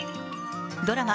ドラマ